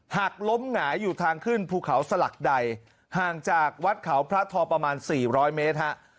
หากล้มหงายอยู่ทางขึ้นภูเขาสลักไดห่างจากวัดขาวพระทองประมาณบันสี่ร้อยเมตรครับ